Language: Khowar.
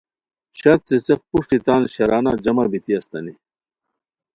شک څیڅیق پروشٹی تان شرانہ جمع بیتی استانی